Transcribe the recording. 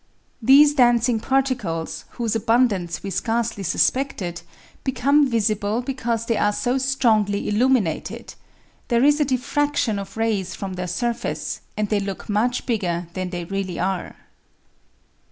These dancing particles, whose abundance we scarcely suspected, become visible because they are so strongly illumined; there is a diffraction of rays from their surface, and they look much bigger than they really are.